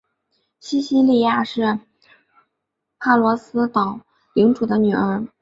西西莉亚是帕罗斯岛领主的女儿。